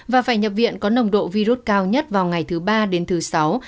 và phải nhập viện có nồng độ virus cao nhất vào ngày thứ ba đến thứ sáu